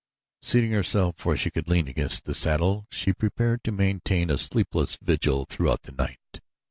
Seating herself where she could lean against the saddle she prepared to maintain a sleepless vigil throughout the night.